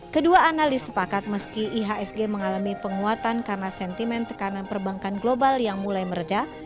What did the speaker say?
kedua analis sepakat meski ihsg mengalami penguatan karena sentimen tekanan perbankan global yang mulai meredah